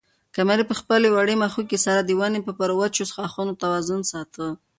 قمرۍ په خپلې وړې مښوکې سره د ونې پر وچو ښاخونو توازن ساته.